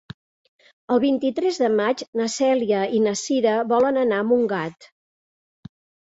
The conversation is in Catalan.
El vint-i-tres de maig na Cèlia i na Cira volen anar a Montgat.